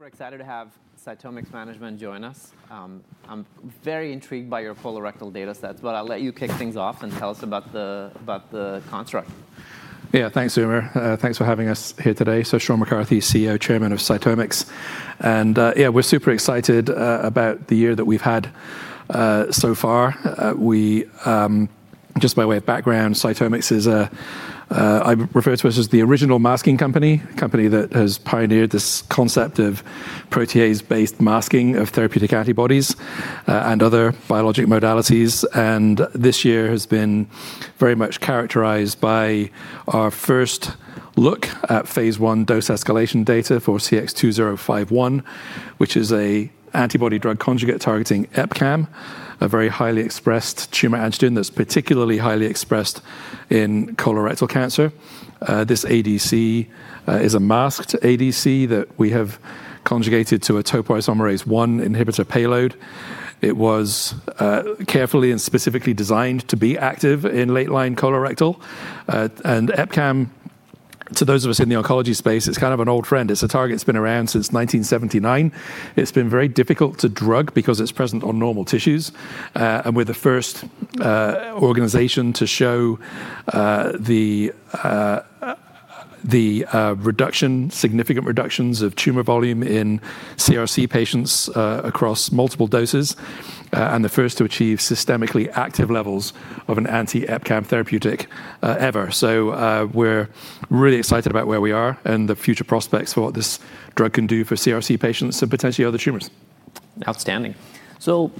Super excited to have CytomX Management join us. I'm very intrigued by your colorectal data sets, but I'll let you kick things off and tell us about the construct. Yeah, thanks, Umer. Thanks for having us here today. So Sean McCarthy, CEO and Chairman of CytomX. And yeah, we're super excited about the year that we've had so far. Just by way of background, CytomX is a. I refer to us as the original masking company, a company that has pioneered this concept of protease-based masking of therapeutic antibodies and other biologic modalities. And this year has been very much characterized by our first look at phase one dose escalation data for CX2051, which is an antibody-drug conjugate targeting EpCAM, a very highly expressed tumor antigen that's particularly highly expressed in colorectal cancer. This ADC is a masked ADC that we have conjugated to a topoisomerase-1 inhibitor payload. It was carefully and specifically designed to be active in late-line colorectal. And EpCAM, to those of us in the oncology space, it's kind of an old friend. It's a target that's been around since 1979. It's been very difficult to drug because it's present on normal tissues, and we're the first organization to show the significant reductions of tumor volume in CRC patients across multiple doses, and the first to achieve systemically active levels of an anti-EpCAM therapeutic ever, so we're really excited about where we are and the future prospects for what this drug can do for CRC patients and potentially other tumors. Outstanding. So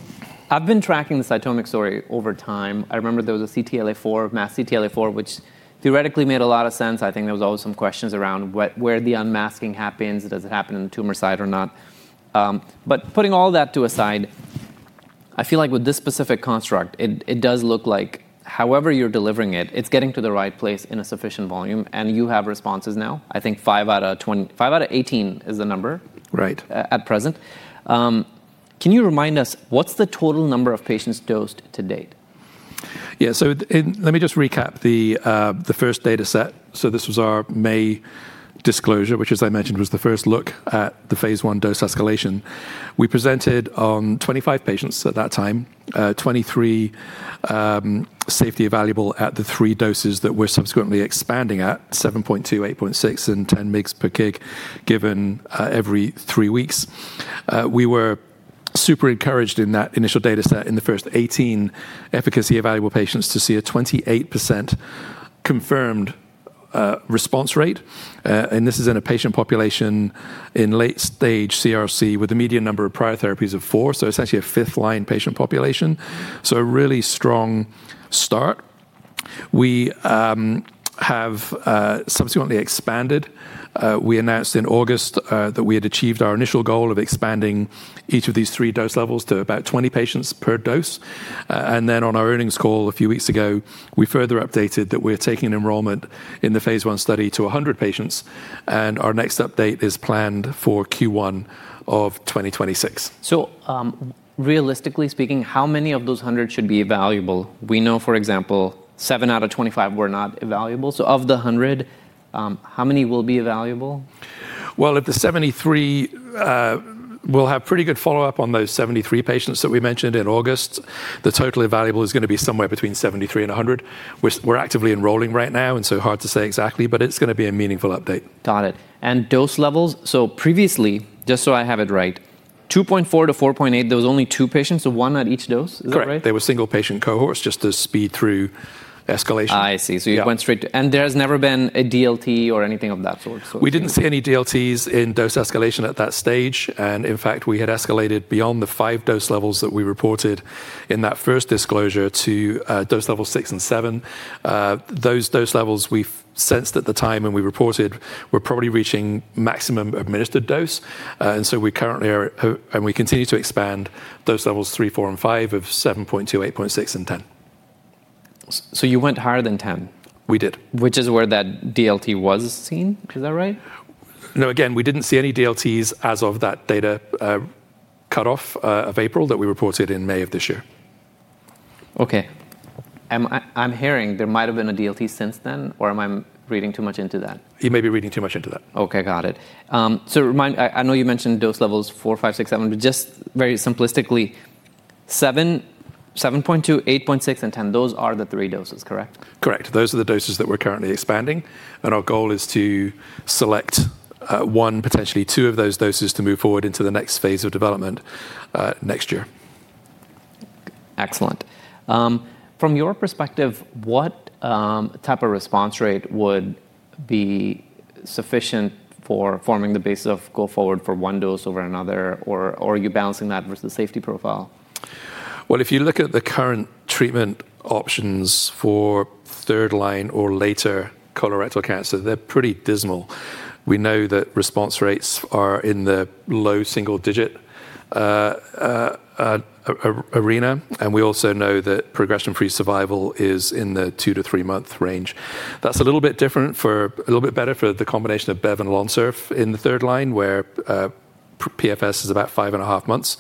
I've been tracking the CytomX story over time. I remember there was a CTLA-4, masked CTLA-4, which theoretically made a lot of sense. I think there were always some questions around where the unmasking happens. Does it happen on the tumor side or not? But putting all that aside, I feel like with this specific construct, it does look like however you're delivering it, it's getting to the right place in a sufficient volume. And you have responses now. I think five out of 18 is the number at present. Can you remind us, what's the total number of patients dosed to date? Yeah, so let me just recap the first data set. So this was our May disclosure, which, as I mentioned, was the first look at the phase I dose escalation. We presented on 25 patients at that time, 23 safety evaluable at the three doses that we're subsequently expanding at, 7.2, 8.6, and 10 mg/kg given every three weeks. We were super encouraged in that initial data set in the first 18 efficacy evaluable patients to see a 28% confirmed response rate. And this is in a patient population in late-stage CRC with a median number of prior therapies of four. So it's actually a fifth-line patient population. So a really strong start. We have subsequently expanded. We announced in August that we had achieved our initial goal of expanding each of these three dose levels to about 20 patients per dose. Then on our earnings call a few weeks ago, we further updated that we're taking enrollment in the phase 1 study to 100 patients. Our next update is planned for Q1 of 2026. Realistically speaking, how many of those 100 should be evaluable? We know, for example, seven out of 25 were not evaluable. So of the 100, how many will be evaluable? Of the 73, we'll have pretty good follow-up on those 73 patients that we mentioned in August. The total evaluable is going to be somewhere between 73 and 100. We're actively enrolling right now, and so hard to say exactly, but it's going to be a meaningful update. Got it. And dose levels? So previously, just so I have it right, 2.4-4.8, there were only two patients, so one at each dose. Is that right? Correct. They were single-patient cohorts, just to speed through escalation. I see. So you went straight to, and there has never been a DLT or anything of that sort. We didn't see any DLTs in dose escalation at that stage. And in fact, we had escalated beyond the five dose levels that we reported in that first disclosure to dose level six and seven. Those dose levels we sensed at the time when we reported were probably reaching maximum administered dose. And so we currently are, and we continue to expand those levels three, four, and five of 7.2, 8.6, and 10. You went higher than 10. We did. Which is where that DLT was seen. Is that right? No, again, we didn't see any DLTs as of that data cutoff of April that we reported in May of this year. Okay. I'm hearing there might have been a DLT since then, or am I reading too much into that? You may be reading too much into that. Okay, got it. So I know you mentioned dose levels four, five, six, seven, but just very simplistically, 7.2, 8.6, and 10, those are the three doses, correct? Correct. Those are the doses that we're currently expanding, and our goal is to select one, potentially two of those doses to move forward into the next phase of development next year. Excellent. From your perspective, what type of response rate would be sufficient for forming the basis of go forward for one dose over another, or are you balancing that versus the safety profile? If you look at the current treatment options for third-line or later colorectal cancer, they're pretty dismal. We know that response rates are in the low single-digit arena. And we also know that progression-free survival is in the two to three-month range. That's a little bit better for the combination of Bev and Lonsurf in the third line, where PFS is about five and a half months.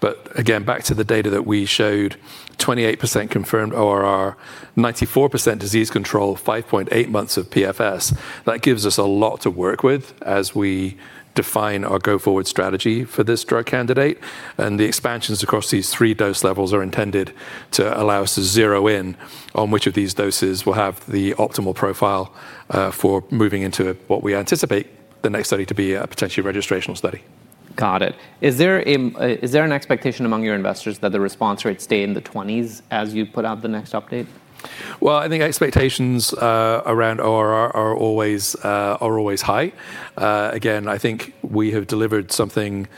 But again, back to the data that we showed, 28% confirmed ORR, 94% disease control, 5.8 months of PFS. That gives us a lot to work with as we define our go forward strategy for this drug candidate. The expansions across these three dose levels are intended to allow us to zero in on which of these doses will have the optimal profile for moving into what we anticipate the next study to be a potentially registrational study. Got it. Is there an expectation among your investors that the response rates stay in the 20s as you put out the next update? I think expectations around ORR are always high. Again, I think we have delivered something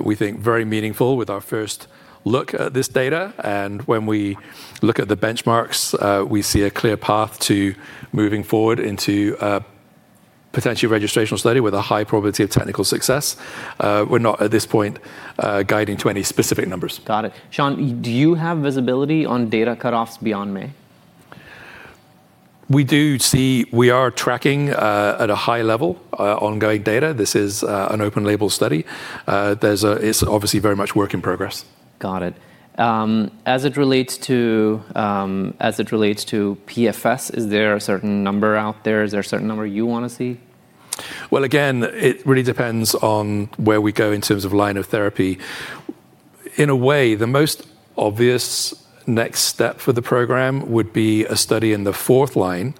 we think very meaningful with our first look at this data. When we look at the benchmarks, we see a clear path to moving forward into a potentially registrational study with a high probability of technical success. We're not at this point guiding to any specific numbers. Got it. Sean, do you have visibility on data cutoffs beyond May? We do see. We are tracking at a high level ongoing data. This is an open-label study. It's obviously very much work in progress. Got it. As it relates to PFS, is there a certain number out there? Is there a certain number you want to see? Again, it really depends on where we go in terms of line of therapy. In a way, the most obvious next step for the program would be a study in the fourth line,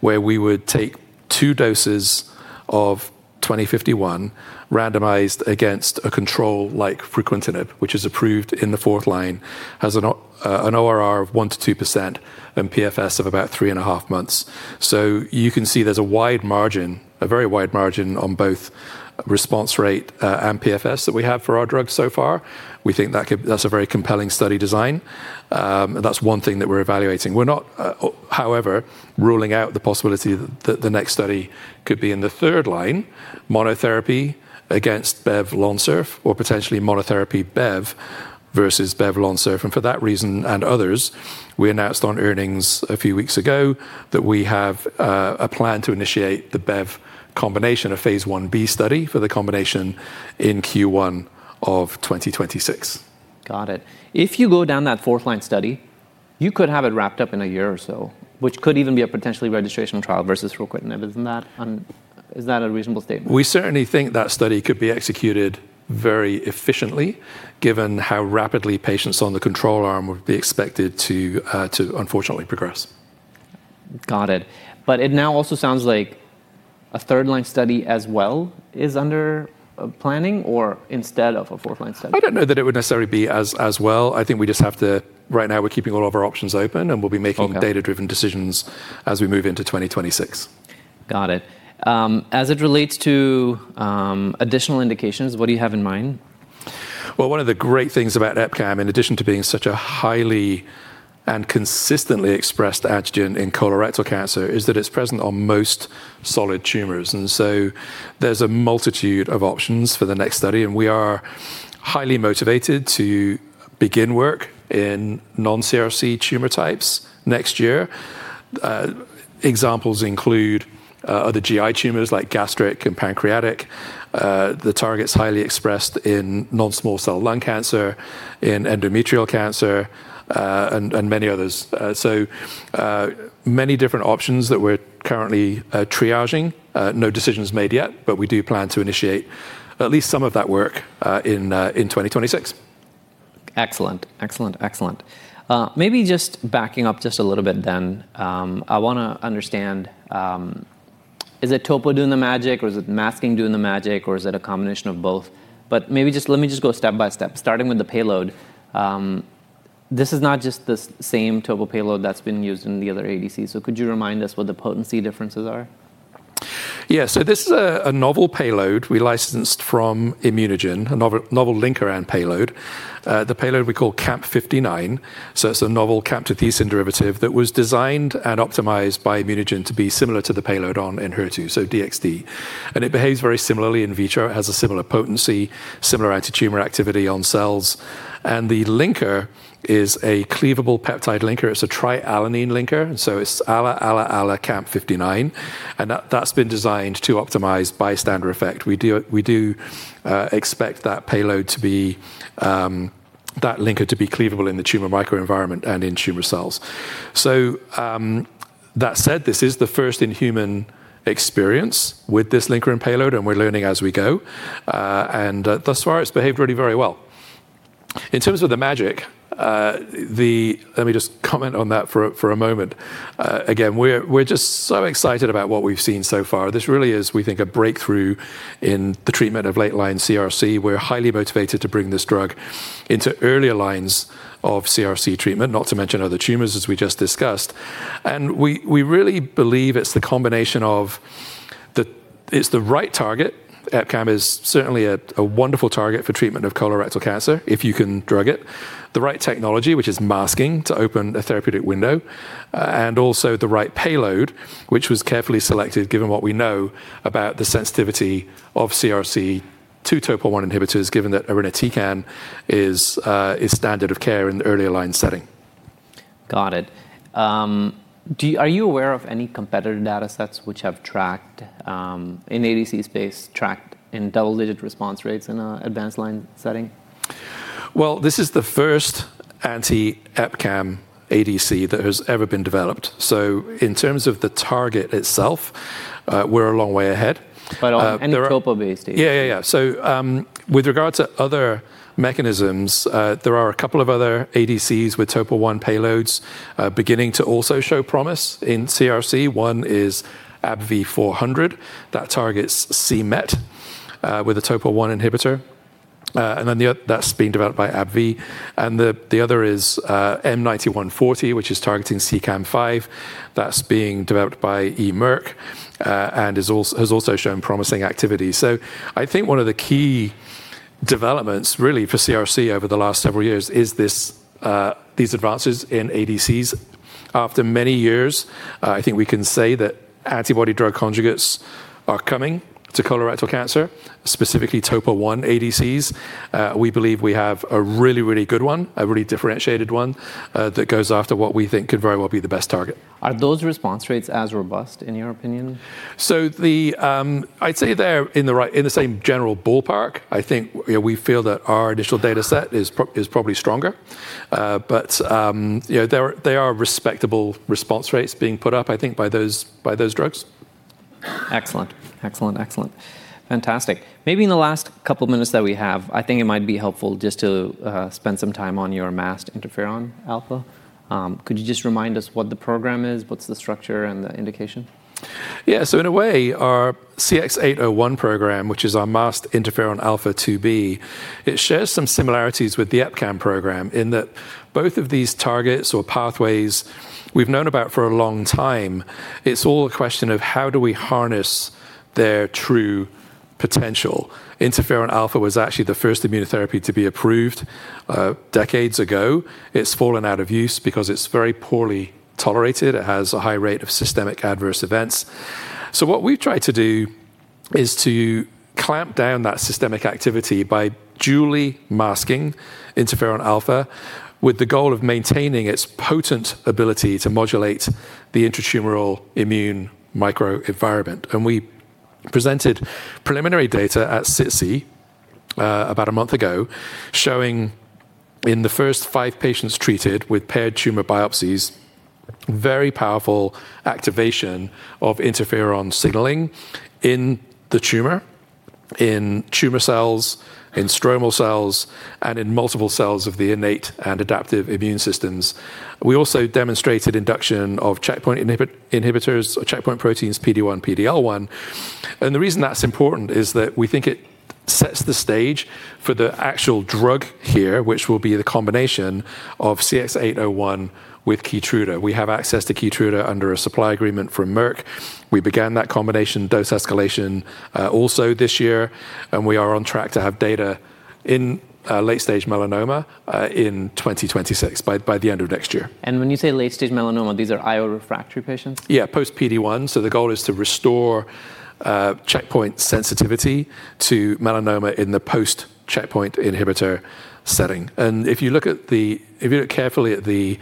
where we would take two doses of CX-2051 randomized against a control like fruquintinib, which is approved in the fourth line as an ORR of 1%-2% and PFS of about three and a half months. So you can see there's a wide margin, a very wide margin on both response rate and PFS that we have for our drug so far. We think that's a very compelling study design. That's one thing that we're evaluating. We're not, however, ruling out the possibility that the next study could be in the third line, monotherapy against Bev/Lonsurf or potentially monotherapy Bev versus Bev/Lonsurf. And for that reason and others, we announced on earnings a few weeks ago that we have a plan to initiate the Bev combination phase Ib study for the combination in Q1 of 2026. Got it. If you go down that fourth line study, you could have it wrapped up in a year or so, which could even be a potentially registrational trial versus Fruquintinib. Isn't that a reasonable statement? We certainly think that study could be executed very efficiently, given how rapidly patients on the control arm would be expected to unfortunately progress. Got it. But it now also sounds like a third line study as well is under planning or instead of a fourth line study? I don't know that it would necessarily be as well. I think we just have to, right now, we're keeping all of our options open, and we'll be making data-driven decisions as we move into 2026. Got it. As it relates to additional indications, what do you have in mind? One of the great things about EpCAM, in addition to being such a highly and consistently expressed antigen in colorectal cancer, is that it's present on most solid tumors. So there's a multitude of options for the next study. We are highly motivated to begin work in non-CRC tumor types next year. Examples include other GI tumors like gastric and pancreatic. The target's highly expressed in non-small cell lung cancer, in endometrial cancer, and many others. Many different options that we're currently triaging. No decisions made yet, but we do plan to initiate at least some of that work in 2026. Excellent. Excellent. Excellent. Maybe just backing up just a little bit then, I want to understand, is it topo doing the magic, or is it masking doing the magic, or is it a combination of both? But maybe just let me just go step by step, starting with the payload. This is not just the same topo payload that's been used in the other ADCs. So could you remind us what the potency differences are? Yeah, so this is a novel payload we licensed from ImmunoGen, a novel linker and payload. The payload we call CAMP59. So it's a novel CAMP2D derivative that was designed and optimized by ImmunoGen to be similar to the payload on Enhertu, so DXD. And it behaves very similarly in vitro. It has a similar potency, similar anti-tumor activity on cells. And the linker is a cleavable peptide linker. It's a trialanine linker. So it's ALA ALA ALA CAMP59. And that's been designed to optimize bystander effect. We do expect that payload to be—that linker to be cleavable in the tumor microenvironment and in tumor cells. So that said, this is the first in human experience with this linker and payload, and we're learning as we go. And thus far, it's behaved really very well. In terms of the masking, let me just comment on that for a moment. Again, we're just so excited about what we've seen so far. This really is, we think, a breakthrough in the treatment of late-line CRC. We're highly motivated to bring this drug into earlier lines of CRC treatment, not to mention other tumors, as we just discussed. And we really believe it's the combination of, it's the right target. EpCAM is certainly a wonderful target for treatment of colorectal cancer if you can drug it. The right technology, which is masking to open a therapeutic window, and also the right payload, which was carefully selected given what we know about the sensitivity of CRC to topo one inhibitors, given that Irinotecan is standard of care in the earlier line setting. Got it. Are you aware of any competitor data sets which have tracked in ADC space, tracked in double-digit response rates in an advanced line setting? This is the first anti-EpCAM ADC that has ever been developed. In terms of the target itself, we're a long way ahead. But on any topo-based ADC? Yeah, yeah, yeah. So with regards to other mechanisms, there are a couple of other ADCs with topo one payloads beginning to also show promise in CRC. One is ABBV-400. That targets c-Met with a topo one inhibitor. And then that's being developed by AbbVie. And the other is M9140, which is targeting CEACAM5. That's being developed by E. Merck and has also shown promising activity. So I think one of the key developments really for CRC over the last several years is these advances in ADCs. After many years, I think we can say that antibody drug conjugates are coming to colorectal cancer, specifically topo one ADCs. We believe we have a really, really good one, a really differentiated one that goes after what we think could very well be the best target. Are those response rates as robust, in your opinion? I'd say they're in the same general ballpark. I think we feel that our initial data set is probably stronger. But there are respectable response rates being put up, I think, by those drugs. Excellent. Excellent. Excellent. Fantastic. Maybe in the last couple of minutes that we have, I think it might be helpful just to spend some time on your masked interferon alpha. Could you just remind us what the program is, what's the structure and the indication? Yeah. So in a way, our CX-801 program, which is our masked interferon alpha-2b, it shares some similarities with the EpCAM program in that both of these targets or pathways we've known about for a long time, it's all a question of how do we harness their true potential. Interferon alpha was actually the first immunotherapy to be approved decades ago. It's fallen out of use because it's very poorly tolerated. It has a high rate of systemic adverse events. So what we've tried to do is to clamp down that systemic activity by dually masking interferon alpha with the goal of maintaining its potent ability to modulate the intra-tumoral immune microenvironment. We presented preliminary data at SITC about a month ago showing in the first five patients treated with paired tumor biopsies, very powerful activation of interferon signaling in the tumor, in tumor cells, in stromal cells, and in multiple cells of the innate and adaptive immune systems. We also demonstrated induction of checkpoint inhibitors or checkpoint proteins PD-1, PD-L1. And the reason that's important is that we think it sets the stage for the actual drug here, which will be the combination of CX-801 with Keytruda. We have access to Keytruda under a supply agreement from Merck. We began that combination dose escalation also this year. And we are on track to have data in late-stage melanoma in 2026 by the end of next year. And when you say late-stage melanoma, these are IO refractory patients? Yeah, post-PD1. So the goal is to restore checkpoint sensitivity to melanoma in the post-checkpoint inhibitor setting. And if you look carefully at the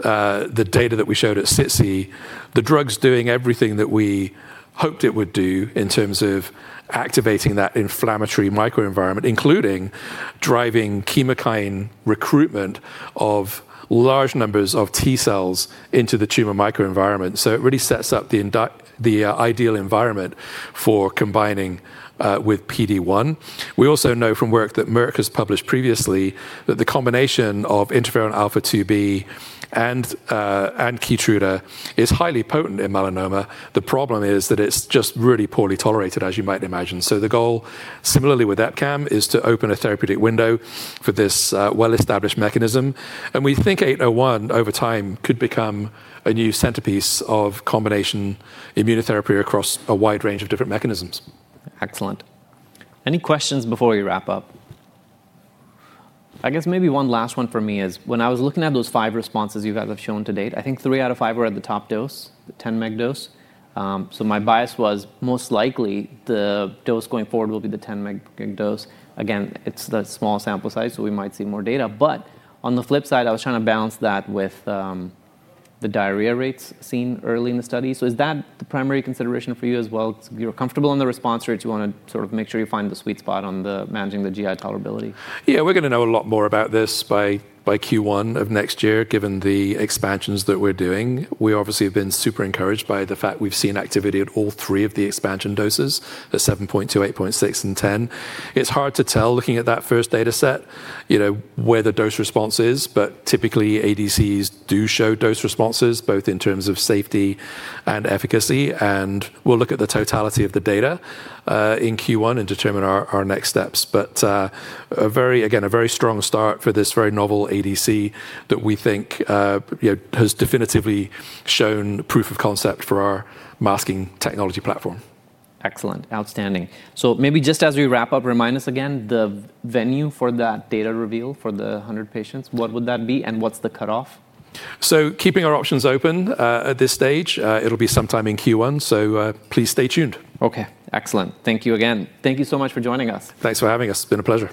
data that we showed at SITC, the drug's doing everything that we hoped it would do in terms of activating that inflammatory microenvironment, including driving chemokine recruitment of large numbers of T cells into the tumor microenvironment. So it really sets up the ideal environment for combining with PD1. We also know from work that Merck has published previously that the combination of interferon alpha-2B and Keytruda is highly potent in melanoma. The problem is that it's just really poorly tolerated, as you might imagine. So the goal, similarly with EpCAM, is to open a therapeutic window for this well-established mechanism. We think 801 over time could become a new centerpiece of combination immunotherapy across a wide range of different mechanisms. Excellent. Any questions before we wrap up? I guess maybe one last one for me is when I was looking at those five responses you guys have shown to date, I think three out of five were at the top dose, the 10 mEq dose. So my bias was most likely the dose going forward will be the 10 mEq dose. Again, it's the small sample size, so we might see more data. But on the flip side, I was trying to balance that with the diarrhea rates seen early in the study. So is that the primary consideration for you as well? You're comfortable on the response rates. You want to sort of make sure you find the sweet spot on managing the GI tolerability. Yeah, we're going to know a lot more about this by Q1 of next year, given the expansions that we're doing. We obviously have been super encouraged by the fact we've seen activity at all three of the expansion doses, at 7.2, 8.6, and 10. It's hard to tell looking at that first data set where the dose response is, but typically ADCs do show dose responses both in terms of safety and efficacy. And we'll look at the totality of the data in Q1 and determine our next steps. But again, a very strong start for this very novel ADC that we think has definitively shown proof of concept for our masking technology platform. Excellent. Outstanding. So maybe just as we wrap up, remind us again the venue for that data reveal for the 100 patients. What would that be and what's the cutoff? So keeping our options open at this stage. It'll be sometime in Q1. So please stay tuned. Okay. Excellent. Thank you again. Thank you so much for joining us. Thanks for having us. It's been a pleasure.